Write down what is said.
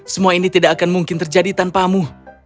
semua ini tidak akan mungkin terjadi tanpamu